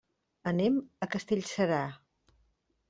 Anem a Castellserà.